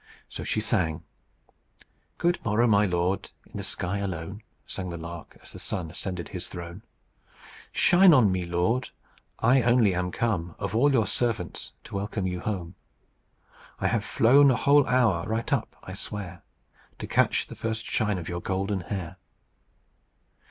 So she sang, "'Good morrow, my lord!' in the sky alone, Sang the lark, as the sun ascended his throne. 'Shine on me, my lord; I only am come, Of all your servants, to welcome you home. I have flown a whole hour, right up, I swear, To catch the first shine of your golden hair!'